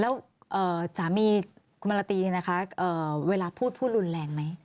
แล้วสามีคุณมะละตีเนี่ยนะคะเวลาพูดพูดรุนแรงไหม